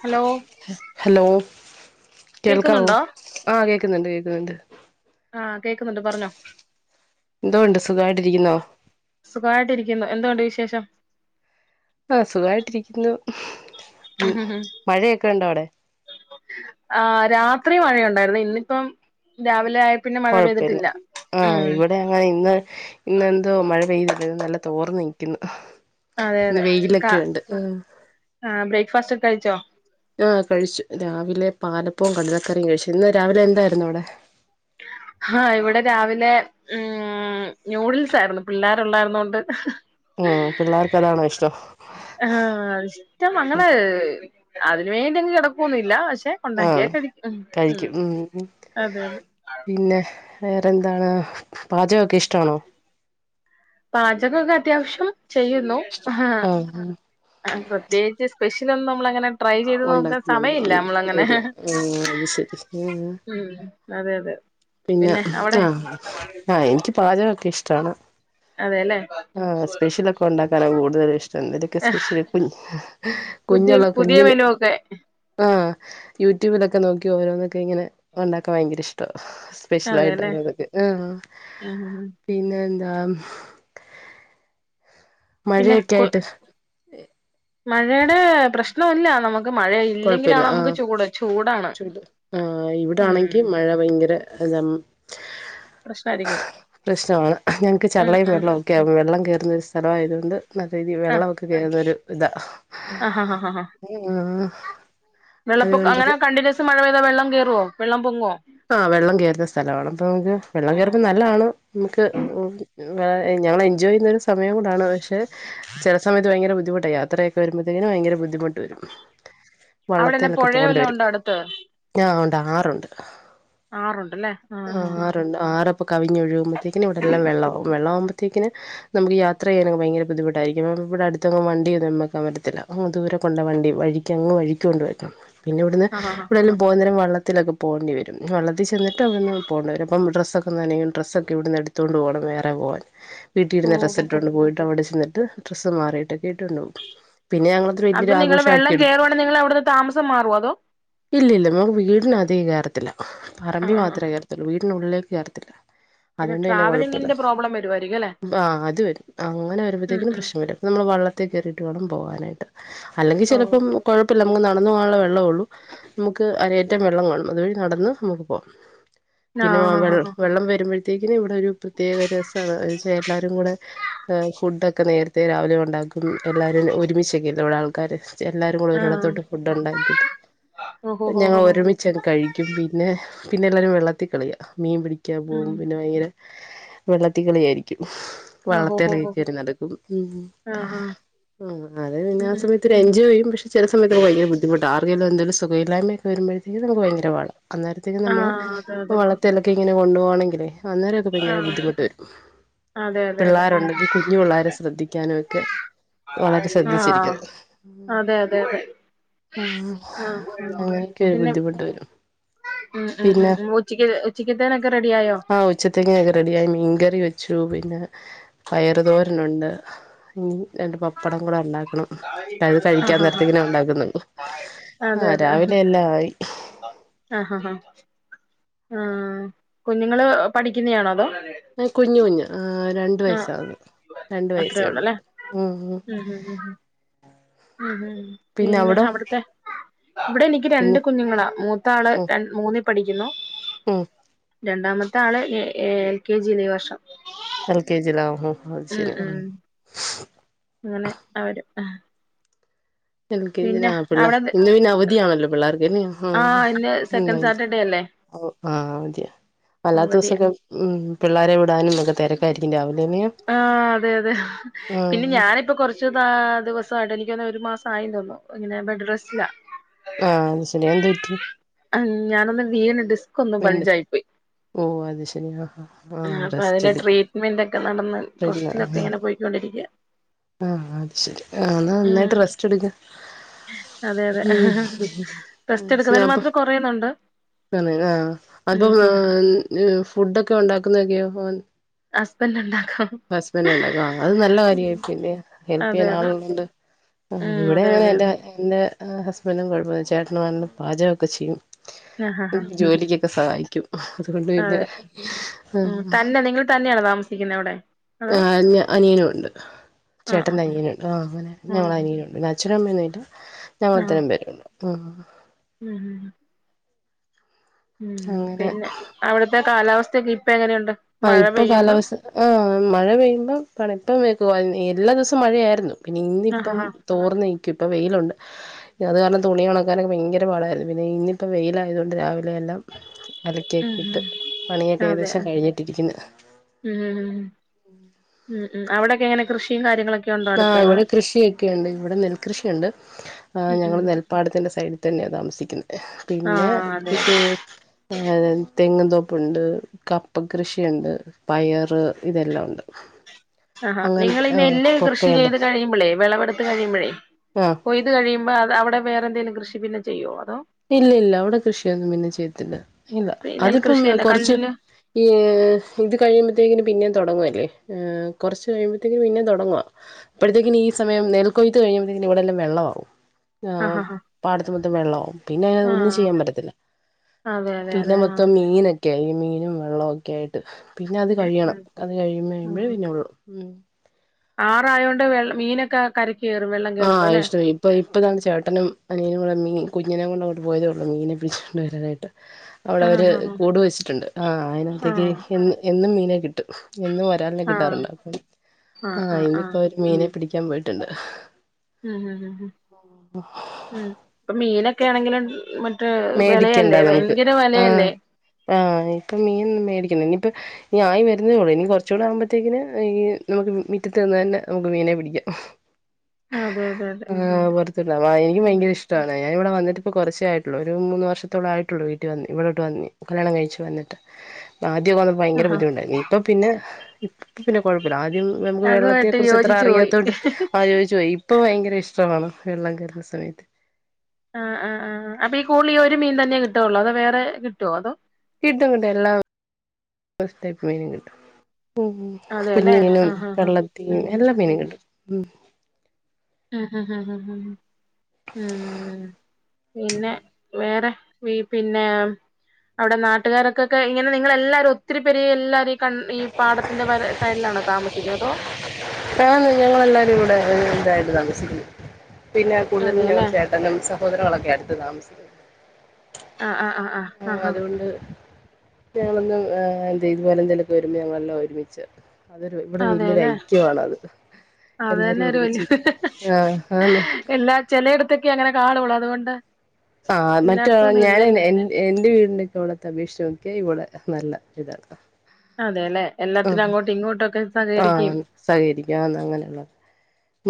Hello hello കേൾക്കാവോ കേക്കുന്നുണ്ടോ ആഹ് കേക്കുന്നുണ്ട് കേക്കുന്നുണ്ട് ആഹ് കേക്കുന്നുണ്ട് പറഞ്ഞോ എന്തോണ്ട് സുഖായിട്ടിരിക്കുന്നോ സുഖായിട്ടിരിക്കുന്നു എന്തൊണ്ട് വിശേഷം ആഹ് സുഖായിട്ടിരിക്കുന്നു മഴയൊക്കെ ഇണ്ടോ അവിടെ ആഹ് രാത്രി മഴയുണ്ടായിരുന്നേ ഇന്നിപ്പം രാവിലെ ആയപ് പിന്നെ മഴ കൊഴപ്പില്ല പെയ്തിട്ടില്ല ഉംഹ് ഇവിടെ ആഹ് ഇന്ന് ഇന്നെന്തോ മഴ പെയ്ത ത് നല്ലതോർന്നിക്കുന്നു ഇന്ന് വെയിലക്കെയുണ്ട് ആഹ് ബ്രേക്ക്ഫാസ്റ്റക്കെ കഴിച്ചോ ആഹ് കഴിച്ചു രാവിലെ പാലപ്പവും കടലക്കറിയും കഴിച്ചു ഇന്ന് രാവിലെ എന്തായിരുന്നു അവിടെ ആഹ് ഇവിടെ രാവിലെ ഉം ന്യൂഡിൽസായിരുന്നു പിള്ളേരുള്ളായിന്നൊണ്ട് ഉംഹ് പിള്ളേർക്കതാണോ ഇഷ്ടം ആഹ് ഇഷ്ടം അങ്ങനെ അതിന് വേണ്ടിയങ്ങ് കെടക്കൊന്നില്ലാ പഷേ ഒണ്ടാക്കിയാ കഴിക്കും ഉം ഉംഹ് അതെതെ പിന്നെ വേറെന്താണ് പാചകൊക്കെഷ്ടാണോ പാചകൊക്കെ അത്യാവശ്യം ചെയ്യുന്നൂ ആഹ് ഉം പ്രത്യേകിച്ച് സ്പെഷലൊന്നും നമ്മളങ്ങനെ ട്രൈ ചെയ്ത് നോക്കാൻ സമയല്ല ഉണ്ടാക്കുന്നില്ല മ്മളങ്ങനെ ഇല്ല ആഹ് അത് ശരി ആഹ് ഉംഹ് അതെയതെ പിന്നെ ആഹ് ആഹ് എനിക്ക് പാചകൊക്കെ ഇഷ്ടാണ് അതെല്ലേ ആഹ് സ്പെഷ്യലൊക്കെ ഒണ്ടാക്കാനാ കൂടുതലിഷ്ടം എന്തേലൊക്കെ സ്പെഷ്യല് കുഞ്ഞ പുതിയ കുഞ്ഞൊള്ള പുതിയ കുഞ്ഞിന് മെനു ഒക്കെ ആഹ് യൂട്യൂബിലൊക്കെ നോക്കി ഓരോന്നൊക്കെങ്ങനെ ഒണ്ടാക്കാൻ ഭയങ്കര ഇഷ്ടാ അതെല്ലെ സ്പെഷ്യലായിട്ടൊരോന്നൊക്കെ ആഹ് ഉം പിന്നെന്താ മഴയെക്കായിട്ട് മഴേടെ പ്രശ്നവില്ല നമ്മക്ക് ക്ക് മഴ കൊഴപ്പില്ല ഇല്ലെങ്കിലാണ് നമ്മക്ക് ആഹ് ചൂട് ചൂടാണ് ചൂട് ആഹ് ഇവിടാണെങ്കി ഉംഹ് മഴ പ്രശ്നവാണ് ഞങ്ങക്ക് ഉം ചള്ളേം ഉം വെള്ളോവൊക്കെയാ വെള്ളം കേറുന്ന ഒരു സ്ഥലവായതുകൊണ്ട് നല്ലരീതി ആഹ് വെള്ളവൊക്കെ കേറുന്നൊരു ഇതാ ആഹ് ആഹ് ഉംഹ് വെള്ളപ്പൊക്ക അങ്ങനെ കണ്ടിന്യൂസ് മഴ പെയ്താ വെളളം കേറോ വെള്ളംപൊങ്ങോ ആഹ് വെള്ളം കേറുന്ന സ്ഥലവാണ് അപ്പൊ നമക്ക് വെള്ളം കേറുന്ന നല്ലാണ് നമുക്ക് ഞങ്ങളെൻജോയ് ചെയ്യുന്ന ഒരു സമയം കൂടാണ് പക്ഷെ സമയത്ത് ഭയങ്കരബുദ്ധിമുട്ടാ യാത്രയെക്കെ വരുമ്പഴത്തേക്കിനും ഭയങ്കര ബുദ്ധിമുട്ട് വരും അവിടെ എന്നാ വള്ളത്തേലൊക്കെ പുഴയോ പോവണ്ട വല്ലോം വെരും ഉണ്ടോ അടുത്ത് ഞ ആ ഒണ്ട് ആറൊണ്ട് ആറൊണ്ടല്ലേ ആഹ് ആറൊണ്ട് ആറപ്പൊ കവിഞ്ഞൊഴുകുമ്പത്തേക്ക്ന് ഇവിടെല്ലാം വെള്ളവാവും വെള്ള ആവുമ്പോത്തേക്കന് നമുക്കീ യാത്രയ്യാനൊക്കെ ഭയങ്കര ബുദ്ധിമുട്ടായിരിക്കും ഇവ്ടടുത്തെങ്ങും വണ്ടിയൊന്നും വെക്കാൻ പറ്റത്തില്ല അങ്ങ് ദൂരെ കൊണ്ട വണ്ടി വഴി ക്ക് എങ്ങ് വഴിക്കൊണ്ട് വെക്കും പിന്നിവിടുന്ന് ആഹ് ആഹ് എവിടെലും പോന്ന നേരം വള്ളത്തിലൊക്കെ പോണ്ടി വെരും വള്ളത്തിചെന്നിട്ട് ട്ടവിടന്ന് പോണ്ട വെരു അപ്പം ഡ്രസ്സൊക്കെ നനയും ഡ്രസ്സൊക്കെ ഇവിടുന്ന് എടുത്തോണ്ട് പോണം വേറെ പോവാൻ വീട്ടിടുന്ന ഓഹ് ഓഹ് ഡ്രെസ്സിട്ടോണ്ട് പോയിട്ട് അവടെ ചെന്നിട്ട് ഡ്രസ്സ് മാറിയിട്ടൊക്കെ ട്ടുണ്ടോം പിന്നെ ഞങ്ങളത്ര അപ്പൊ വെല്യരു നിങ്ങള് വെള്ളം ആഘോഷാക്കിയെടുക്കും കേറുവാണെ നിങ്ങള് അവിടുന്ന് താമസം മാറുവോ അതോ ഇല്ലില്ല നമ്ക്ക് വീടിനാത്തേക്ക് കേറത്തില്ല ആ പറമ്പി ആ ആ മാത്രെ കേറത്തുള്ളൂ വീടിനുള്ളിലേക്ക് കേറത്തില്ല അതുകൊണ്ട് പിന്നെ കൊഴപ്പല്ല ട്രാവലിങ്ങിന്റെ പ്രോബ്ലം വരുവായിരിക്കും അല്ലെ ആഹ് അത് വെരും അങ്ങനെ ഉം വരുമ്പോഴത്തേക്കിനും ഉം പ്രശ്നം വെരും നമ്മള് വള്ളത്തി കേറിട്ട് വേണം പോവാനായിട്ട് അല്ലെങ്കി ഓ ചെലപ്പം കൊഴപ്പമില്ല നമുക്ക് നടന്നു പോവാനുള്ള വെള്ളേ ഒള്ളൂ നമുക്ക് അരയറ്റം വെള്ളം കാണും അതുവഴി നടന്ന് നമുക്ക് പോകാം ആ പിന്നെ ആ വെ ആ വെള്ളം വരുമ്പോഴത്തേക്കിന് ഇവിടൊരു പ്രത്യേക രസണ് വെച്ചാ എല്ലാരും കൂടെ ഫുഡെക്കെ നേരത്തെ രാവിലെ ഒണ്ടാക്കും എല്ലാവരും ഒരുമിച്ചൊക്കെല്ല ഇവിടെ ആൾക്കാര് എല്ലാരും കൂടെ ആ ഒരിടത്തോട്ട് ഫുഡ് ഒണ്ടാക്കിട്ട് ഓ ഹോ ഹോ ഞങ്ങൾ ഹോ ഹോ ഒരുമിച്ച് ച്ചങ് കഴിക്കും പിന്നെ പിന്നെ എല്ലാരും വെള്ളത്തി കളിയ മീൻ പിടിക്കാൻ ഉം പോകും പിന്നെ ഭയങ്കര വെള്ളത്തി കളി ആയിരിക്കും ആ ഹോ ഹോ വള്ളത്തേലെക്കെ ഹോ കേറി നടക്കും ഉം ആ ആ ആഹ് അതെ ഉം പിന്നാ ഉം സമയത്ത് ഒരു എൻജോയ് ചെയ്യും പക്ഷെ ചില സമയത്ത് ഭയങ്ക ബുദ്ധിമുട്ട അറിയാമല്ലോ ആർക്ക് എന്തെങ്കിലും സുഖമില്ലായയൊക്കെ വരുമ്പഴത്തേക്ക് നുക്ക് ഭയങ്കരപാടാ അന്നേര ആഹ് അതെ അതെ ക്കെ ഇങ്ങനെ കൊണ്ട് പോകവാണെങ്കിൽ അന്നേരൊക്കെ ആ ഭയങ്കര ബുദ്ധിമുട്ട് വരും അതെ അതെ അതെ ഉം പിള്ളേരുണ്ടെങ്കിൽ കുഞ്ഞു പിള്ളേരെ ശ്രദ്ധിക്കാനുക്കെ ആഹ് അതെ അതെ അതെ ഉം ആ അങ്ങനെയൊക്കെ പിന്നെ ബുദ്ധിമുട്ട് വരും ഉം ഉം പിന്നെ ഉ ഉ ഉച്ചക്ക് ഉച്ചക്ക്ത്തേനൊക്കെ റെഡി ആയോ ഉച്ചത്തക്കൊക്കെ റെഡിയായി മീൻകറി വെച്ചു പിന്നെ പയറ്തോരനുണ്ട് രണ്ട് പപ്പടം കൂടെ ഉണ്ടാക്കണം ആ അത് ആ കഴിക്കാൻ നേരത്തിങ്ങനെ ആ ഉണ്ടാക്കുന്നു ആ രാവിലെ എല്ലാ ആയി ആഹ് ആഹ് കുഞ്ഞുങ്ങള് പഠിക്കുന്നാണോ അതോ ഞൻ കുഞ്ഞഞ് കുഞ്ഞ് രണ്ട ആഹ് വയസ് രണ്ട അത്രേ വയസേ ഉള്ളു ഉള്ളല്ലേ ഉം ഉം ഉം പിന്നെ അവിടുത്തെ ഇവിടെ എനിക്ക് രണ്ട് കുഞ്ഞ് കുഞ്ഞുങ്ങളാ മൂത്താള് ഉം ര മൂന്നിൽ പഠിക്കുന്നു ഉം രണ്ടാമത്തെ ആള് എൽ കെ ജി ഈ വർഷം എൻ കെജി ലാവ അത് ഉം ശരി ഉം അങ്ങനെ അവര് ആഹ് എൽ കെ ജി ആ പിള്ള അവിടെ ഇന്ന് പിന്നെ അവധിയാണല്ലോ പിള്ളേർക്ക്ന്നെയ ആഹ് ഇന്ന് സെക്കൻഡ് സാറ്റർഡേ അല്ലേ അവധി ആഹ് അതയ വല്ലാത്ത അവധിയാ ദിവസക്കെ ഉം പിള്ളാരെ വിടാനുക്കെ തിര ഇപ്പായിരിക്കും രാവിലെന്നെ ആഹ് അതെ അതെ പിന്നെ ഞാനിപ്പോ കുറച്ച് ദിവസമായിട്ട എനിക്ക് തോന്നുന്ന ഒരു മാസം ആ തോന്നു ഇങ്ങനെ ബെഡ് സ്റ്റില ആഹ് അത് ശരി എന്തു പറ്റി ഞാനൊന്ന് വീണു ഡിസ്ക് ഒന്ന് പിന്നെ പഞ്ചായി പോയി ഓ അത് ശരി ആഹ് ആ ആഹ് അപ്പൊ റെസ്റ്റ് അതിന്റെ എടുക്ക് ട്രീറ്റ്മെന്റ് ഒക്കെ നടന്ന് പിന്നെ ട്രസ്റ്റിലൊക്കെ ആഹ് ഇങ്ങനെ പോയിക്കൊണ്ടിരിക്കുക ആഹ് അത് ശരി ആ എന്നാ നന്നായിട്ട് ഉം റെസ്റ്റ് എടുക്ക അതെ അതെ ഉം റെസ്റ്റ് ശരി ആഹ് എടുക്കുന്നതിന് അപ്പം മാത്രം കൊറയുന്നുണ്ട് ഉം ഉം ഫുഡൊക്കെ ഉണ്ടാക്കുന്നൊക്കെയോ ഹസ്ബൻഡ് ഉണ്ടാക്കും ഹസ്ബൻഡ ഉണ്ടാക്കോ അത് നല്ല ഉം കാര്യമായി പിന്നെ ഹെല്പ് അതെ ചെയ്യാൻ അതെ ആളുള്ളൊണ്ട് ആഹ് ഉം ഇവിടെ അതെ അങ്ങനെ അതെ എന്റെ അതെ എന്റെ ഹസ്ബൻഡും കുഴപ്പമ ചേട്ടന വ പാചകക്കെ ചെയ്യും ആ എനിക്ക് ആ ജോലിക്ക് ഒക്കെ സഹായിക്കും അതുകൊണ്ട് പിന്നെ അതെ ഉം തന്നെ നിങ്ങൾ തന്നെയാണോ അവിടെ അതോ ആഹ് അനിയനുണ്ട് ആ ആ ആ ചേട്ടൻ്റെഅനിയനുണ്ട് ആഹ് അങ്ങന ഞങ്ങളെ അനിയനുണ്ട് അച്‌ഛനും അമ്മയും ഇല്ല ഞങ്ങൾ ആ ആ അത്രം പേരുണ്ട് ഉം ഉം അങ്ങനെ പിന്നെ അവിടുത്തെ കാലാവസ്ഥക്കെ ഇപ്പ എങ്ങനെയുണ്ട് ആ മഴ ഇപ്പൊ പെയ്യുമ്പം കാലാവസ്ഥ ആ മഴ പെയ്യുമ്പോ പണിപ്പം വക്ക എല്ലാ ദിവസവും മഴയായിരുന്നു പിന്നെ ആ ഇന്നിപ്പം ആ തോർന്ന് നിൽക്കും ഇപ്പം വെയിലുണ്ട് അത് കാരണം തുണി ഉണക്കാനൊക്കെ ഭയങ്കര പാടായിരുന്നു പിന്നെ ഇനിയിപ്പ വെയിലയതുകൊണ്ട് രാവിലെ എല്ലാം ഉം അലക്കിയക്കിയിട്ട് ഉം പണിയൊക്കെ അതെ ഏകദേശം കഴിഞ്ഞിട്ടിരിക്കുന്നു ഉം ഉ ഉംം ഉം ഉം അവിടെക്കെ എങ്ങനെ കൃഷിയും കാര്യങ്ങളൊക്കെ ഉണ്ടോ അടുത്ത് ആഹ് അതോ ഇവിടെ കൃഷിയൊക്കെയുണ്ട് ഇവിടെ നെൽകൃഷിയുണ്ട് ആഹ് ഉം ഞങ്ങൾ ഉം നെൽ പാടത്തിന്റെ സൈഡിൽ തന്നെയാണ് താമസിക്കുന്നത് പിന്നെ ആഹ് അതെ കൃഷി തെങ്ങിൻ തോപ്പുണ്ട് കപ്പ കൃഷിയുണ്ട് പയറ് ഇതെല്ലാം ഉണ്ട് ആഹാ അങ്ങനത്തെ നിങ്ങളിങ്ങനെ ആഹ് എല്ലി കൃഷി കൊക്കയുണ്ട് ചെയ്ത് കഴിയുമ്പോളേ വിളവെടുത്ത് കഴിയുമ്പോഴേ ആഹ് കൊയ്ത് കഴിയുമ്പൊ അത് അവിടെ വേറെന്തേലും കൃഷി പിന്നെ ചെയ്യുമോ അതോ ഇല്ല ഇല്ല അവിടെ കൃഷിയൊന്നും പിന്നെ ചെയ്യത്തില്ല ഇല്ല അതിപ്പം നെൽകൃഷി തന്നെ കൊറച്ച് കണ്ടിന്യൂ ഈ ഇത് കഴിയുമ്പത്തേന് പിന്നേം തുടങ്ങുവല്ലേ ഏഹ് കുറച്ച് കഴിയുമ്പോത്തേക്കും പിന്നേം തുടങ്ങുവാ അപ്പോഴത്തേക്കിനി ഈ സമയം നെൽകൊയ്ത്ത് കഴിയുമ്പോഴത്തേനും ഇവടെ എല്ലാം വെള്ളവാകും ആഹ് പാടത്ത് മൊത്തം വെള്ളവാവും പിന്നെ അത് ഒന്നും ആഹ് ചെയ്യാൻ പറ്റത്തില്ല അതെ അതെ പിന്നെ അതെ ആഹ് മൊത്തം മീനൊക്കെ ഈ മീനും വെള്ളോം ഒക്കെയായിട്ട് പിന്നെ അത് കഴിയണം ഉം അത് കഴിഞ്ഞുകഴിയുമ്പോ പിന്നൊള്ളു ആറായതോണ്ട് വെള്ള മീനൊക്കെ കര ആഹ് ഇഷടവാ ഈ ഇപ്പൊ ഇപ്പോൾതാങ്ങ് ചേട്ടനും അനിയനും കൂടെ മീൻ കുഞ്ഞിനേ കൊണ്ട് അങ്ങോട്ട് പോയതേ ഉള്ളു മീൻ പിടിച്ചുകൊണ്ട് വരാനായിട്ട് [unintelligible] അവിടെ ആഹ് അവര് ആഹ് കൂട് വെച്ചിട്ടുണ്ട് ആഹ് അതിനകത്തേക്ക് ആഹ് എന്നും എന്നും മീനെ കിട്ടും എന്നും ആഹ് കിട്ടാറുണ്ട് ആഹ് ഇന്നിപ്പോ മീനെ പിടിക്കാൻ പോയിട്ടുണ്ട് ഉംഹ് ഉംഹ് [unintelligible] ഇപ്പൊ മീനൊക്കെ ആണെങ്കിലും മറ്റേ മേടിക്കണ്ട വിലയല്ലേ നമുക്ക് ഭയങ്കര ആഹ് വിലയല്ലേ ആഹ് ഇപ്പൊ മീൻ മേടിക്കുന്നെ ഇനിയിപ്പൊ ഇനി ആയി വരുന്നേള്ളൂ ഇനി കുറച്ചുകൂടെ ആകുമ്പഴത്തേക്കന് ഈ നമുക്ക് മിറ്റത്ത് നിന്ന് തന്നെ നമുക്ക് മീനെ പിടിക്കാം അതെ അതെ അതെ [unintelligible] ആഹ് പുറത്തുണ്ട് ആഹ് എനിക്ക് ഉം ഭയങ്കര ഇഷ്ടമാണ് ഞാന് ഇവിടെ വന്നിട്ടിപ്പൊ കുറച്ചേ ആയി ഒരു മൂന്ന് വർഷത്തോളം ആയിട്ടുള്ളൂ വീട്ടി വന്നി ഇവിടോട്ട് വന്നി കല്യാണം കഴിച്ചു വന്നിട്ട് ആദ്യമൊക്കെ വന്നപ്പൊ ഭയങ്കര ആഹാ ബുദ്ധിമുട്ടായിനീ ഇപ്പൊ പിന്നെ ഇപ്പൊ പിന്നെ കുഴപ്പമില്ല ആദ്യം നമുക്ക് വെള്ളത്തിനെ അതുമായിട്ട് കുറിച്ചത്ര യോജിച്ചു പോയി അറിയാത്തതോണ്ട് ആലോചിച്ചു പോയി ഇപ്പോ ഭയങ്കര ഇഷ്ടമാണ് വെള്ളം കയറുന്ന സമയത്ത് ആഹ് ആഹ് ആഹ് അപ്പം ഈ കുടുതല് ഈ ഒരു മീൻ തന്നെ കിട്ടുവുള്ളൊ അതോ വേറെ കിട്ടുമോ അതോ കിട്ടും കിട്ടും എല്ലാ മീനും കിട്ടും ഉംഹ് അതെല്ലേ കുഞ്ഞിമീൻ ഉണ്ട് ആഹ് ആഹ് ആഹ് പള്ളത്തി ഉം മീന് എല്ലാ മീനും കിട്ടും ഉംഹ് ആഹ് ആഹ് ആഹ് ആഹ് പിന്നെ വേറെ ഈ പിന്നെ അവിടെ നാട്ടുകാരൊക്കൊക്കെ ഇങ്ങനെ നിങ്ങളെല്ലാരും ഒത്തിരി പേരി എല്ലാരും കാ ഈ പാടത്തിന്റെ വ സൈഡിലാണോ താമസിക്കുന്നത് അതോ ആഹ് ഞങ്ങളെല്ലാരും ഇവിടെ ഒരു ഇതായിട്ട് താമസിക്കുന്നു പിന്നെ കൂടുതലും അതെല്ലേ ഞങ്ങടെ ചേ തല്ലും സഹോദരങ്ങളൊക്കെ അടുത്ത് താമസിക്കുന്നെ ആഹ് ആഹ് ആഹ് ആഹ് ആഹ് ആഹാ അതുകൊണ്ട് ഞങ്ങളൊന്നും എന്താ ഇതുപോലെ എന്തേലൊക്കെ വരുമ്പോ ഞങ്ങളെല്ലാം ഒരുമിച്ചാ അതൊരു ഇവിടെ വലിയൊരു ഐക്യമാണ് അത് അതന്നെ ഒരു വല്ല്യ ആഹ് ആന്ന് എല്ലാ ചിലയിടത്തൊക്കെ അങ്ങനെ കാണുള്ളൂ അതുകൊണ്ട് ആ മറ്റേ എല്ലായിടത്തും ഒന്നും ഞാന് ഇല്ലല്ലോ [unintelligible] എന്റെ വീടിന്റെ ഒക്കെ ഇവുടുത്തെ അപേക്ഷിച്ച് നോക്കിയാൽ ഇവിടെ നല്ല ഇതാണ് അതെ അല്ലെ എല്ലാത്തിനും ആഹ് അങ്ങോട്ടും ഇങ്ങോട്ടൊക്കെ- ആഹ് സഹകരിക്കും സഹകരിക്കാം അങ്ങനെയുള്ളത്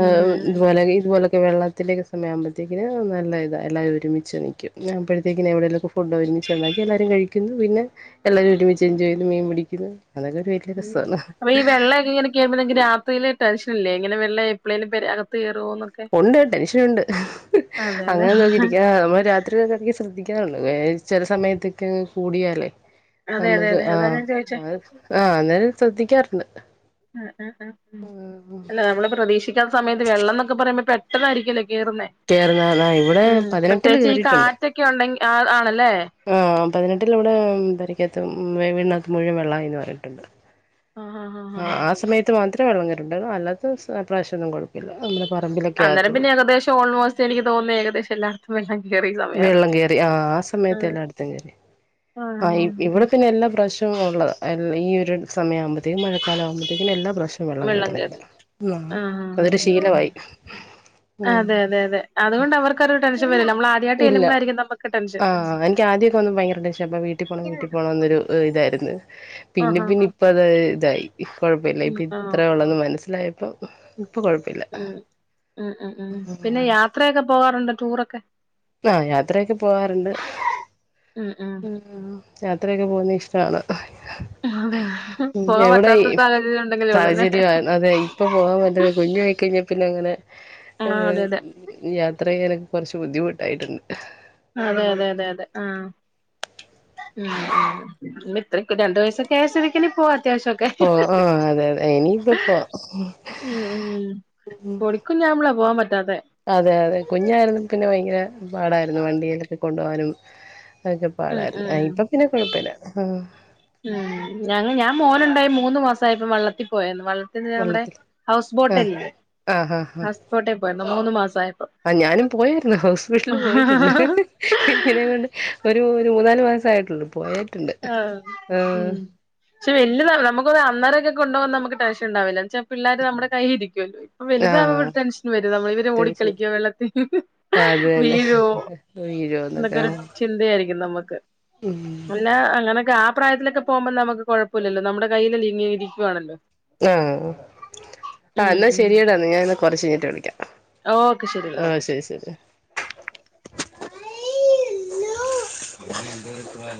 ഉം ഉം ഇതുപോലെ ഇതുപോലെ- ഈ വെള്ളത്തിലെ ഒക്കെ സമയയാവുമ്പോഴത്തേക്കിന് നല്ല ഇതാ എല്ലാരും ഒരുമിച്ച് നിൽക്കും അപ്പൊഴിത്തേക്കിന് എവിടെലും ഒക്കെ - ഫുഡ് ഒരുമിച്ചുണ്ടാക്കി എല്ലാവരും കഴിക്കുന്നു പിന്നെ എല്ലാരും ഒരുമിച്ച് എഞ്ചോയ് ചെയ്തു മീൻ പിടിക്കുന്നു അതൊക്കെ ഒരു- വലിയ ഉം രസമാണ് അപ്പൊ ഈ - വെള്ളയൊക്കെ ഇങ്ങനെ കേറുമ്പോ നിങ്ങക്ക് രാത്രിയില് ടെൻഷനില്ലേ ഇങ്ങനെ വെള്ളം എപ്പഴേലും പെരേ അകത്ത് കേറുവൊന്ന് ഒണ്ട് ടെൻഷൻനുണ്ട് അതെല്ലേ അങ്ങനെ നോക്കിയിരിക്കാതെ നമ്മള് രാ- ചക്ക [unintelligible] ക്ക് ശ്രദ്ധിക്കാള്ളൂ ചെല സമയത്തൊക്കെ അങ്ങ് കൂടിയാലേ അതെ അതെ നമുക്ക് അതെ അതാ ഞാൻ ചോദിച്ചേ ആഹ് ആഹ് അന്നേരം ശ്രദ്ധിക്കാറുണ്ട് ഉം ഉം ഉം ഉം അല്ല നമ്മള് പ്രതീക്ഷിക്ക- ചെല സമയത്ത് വെള്ളം എന്നൊക്കെ പറയുമ്പോ പെട്ടായിരിക്കുവല്ലേ കേറുന്നേ കേറുന്ന ഇവിടെ ഉം പതിനെട്ടില് പ്രത്യേകിച്ച് ഈ കേറിയിട്ടുണ്ട് കാറ്റൊക്കെ ഉണ്ടെങ്കി ആണല്ലേ ആഹ് പതിനെട്ടിലിവിടെ പെരക്കാത്തും വീടിനകത്ത് മുഴുവൻ വെള്ളമായി എന്ന് പറഞ്ഞിട്ടുണ്ട് ആഹ് ആഹ് ആഹ് ആഹ് ആ സമയത്ത് മാത്രമേ വെള്ളം കേറീട്ടുള്ളു അല്ലാത്ത പ്രാവശ്യമൊന്നും കൊഴപ്പവില്ല അന്നേരം പിന്നെ ഏകദേശം ഓൾമോസ്റ്റ് എനിക്ക് തോന്നുന്നു ഏകദേശം എല്ലായിടത്തും വെള്ളം കേറി എന്ന് വെള്ളം കേറി ആഹ് ആഹ് സമയത്തെ എല്ലാം അടുത്തും കേറി ആ ആഹ് ഇവിടെ- പിന്നെ എല്ലാ പ്രാവശ്യം ഉള്ളതാ എ ഈ ഒരു സമയമാവുമ്പോ ഇതേ മഴക്കാലം ആവുമ്പോഴത്തേക്കും എല്ലാ പ്രാവശ്യം വെള്ളം കേയറുന്ന ഇവിടെ ആഹ് അതൊരു ആഹ് ആഹ് ശീലമായി ഉം അതെ അതെ അതെ അതുകൊണ്ട് അവർക്ക് ഒരു ടെൻഷൻ വരില്ല നമ്മള് ആദിയവായിട്ട് ഇല്ല ചെല്ലുമ്പോഴാരിക്കും നമ്മക്ക് - ആഹ് എനിക്ക് ആദ്യമൊക്കെ വന്നപ്പോ ഭയങ്കര ടെൻഷൻ അപ്പ വീട്ടിൽ പോണം വീട്ടിൽ പോണം എന്നൊ ഇതായിരുന്നു പിന്നെ ആഹാ പിന്നെ ഇപ്പ അത് ഇതായി കൊഴപ്പമില്ല ഉം ഇപ്പ ആഹ് ഇത്ര ഉള്ളെന്ന് മനസ്സിലായപ്പം ഇപ്പൊ കൊഴപ്പമ- ഉം ഉം ഉം ഉം പിന്നെ യാത്രയൊക്കെ പോകാറുണ്ട് ടൂറൊക്കെ ആഹ് യാത്രയൊക്കെ പോവാറുണ്ട് ഉം ഉം യാത്രയൊക്കെ പോകുന്ന ഇഷ്ടാണ് അതെ പോകാൻ എവിടെ പറ്റാത്ത സാഹചര്യം ഉണ്ടെങ്കിലേ ഉള്ളൂല്ലേ സാഹചര്യ അതെ ഇപ്പൊ പോവാൻ പറ്റുന്നത് കുഞ്ഞു ആയിക്കഴിഞ്ഞ - പിന്നെ അങ്ങനെ ആഹ് അതെ അതെ യാത്ര ചെയ്യാനൊക്കെ കൊറച്ച് ബുദ്ധിമുട്ടായിട്ടുണ്ട് അതെ അതെ അതെ അതെ ആഹ് ഇത്രക്ക് രണ്ടു വയസ്‌ ആയ സ്ഥിതിക്ക് ഇനി പോവാ അത്യാവശ്യം ഒക്കെ ഓ ആഹ് അതെ അതെ ഇനി ഇപ്പോ പോവാം ഉം ഉം പൊടികുഞ് ആവുമ്പോഴ പോവാൻ പറ്റാത്തെ അതെ അതെ കുഞ്ഞായിരുന്നു പിന്നെ ഭയങ്കര പാടായിരുന്നു വണ്ടിയിലൊക്കെ കൊണ്ടുപാനും- അതൊക്കെ ഉം പാടായിരുന്നു ഉം ഇപ്പൊ പിന്നെ കൊഴപ്പമില്ല ആഹ് ഉം ഞ ഞാൻ മോനുണ്ടായി മൂന്ന് മാസവായപ്പോ വള്ളത്തിൽ പോയരുന്നു നമ്മുടെ വെള്ളത്തിൽ ഹൗസ് ആ ബോട്ടല്ലേ ആഹ് ആഹ് ആഹ് ഹൗസ് ബോട്ടേ പോയിരുന്നു മൂന്ന് മാസവായപ്പോ ആ ഞാനും പോയായിരുന്നു ഹൗസ്ബോട്ടില് പോയിട്ടുണ്ട് ഇങ്ങനെണ്ട് ഒരു ഒരു മൂന്നാല് മാസ ആയിട്ടുള്ളു പോയട്ടുണ്ട് ആഹ് ആഹ് ഉം പക്ഷെ വലിയതല്ല നമുക്കൊ അന്നെരൊക്കെ കൊണ്ടുപോകാൻ നമുക്ക് ടെൻഷൻണ്ടാവില്ലാെ പിള്ളേര് നമ്മടെ കൈയില് ഇരിക്കുവല്ലോ വലുതാകുമ്പോ ആഹ് ഒരു ടെൻഷൻ വരും നമ്മൾ ഇവര് തൃശൂര് ഓടിക്കളിക്കോ വെള്ളത്തി വീഴോ വീഴുവോന്ന് എന്നൊക്കെ ഒക്കെ ഒരു ചിന്തയായിരിക്കും നമ്മക്ക് [unintelligible] പിന്നാ അങ്ങനക്കെ ആ പ്രായത്തിലൊക്കെ പോകുമ്പോ നമുക്ക് കൊഴപ്പവില്ലല്ലോ നമ്മുടെ കയ്യിലിങ്ങനെ ഇരിക്കുവാണല്ലോ ആഹ് ആഹ് ഉം എന്നാ ഉം ശെരിയടാ എന്നാ ഞാൻ എന്നാ കൊറച്ച് കഴിഞ്ഞിട്ട് വിളിക്കാം. ഓക്കെ ശെരി എന്നാ ആ ഓക്കെ ശെരി ശരി ശരി